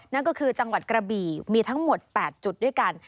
นั่นก็คือจังหวัดกระบี่มีทั้งหมด๘จุดด้วยกัน